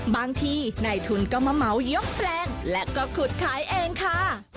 บางทีในทุนก็มาเหมายกแปลงและก็ขุดขายเองค่ะ